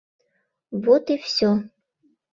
Вот и всё!